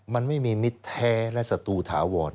มันไม่มีมิตรแท้และศัตรูถาวร